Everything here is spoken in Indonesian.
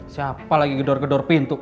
siapa lagi gedor gedor pintu